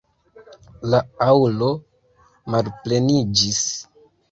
La aŭlo malpleniĝis.